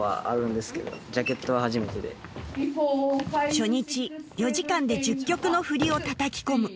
初日４時間で１０曲の振りをたたき込む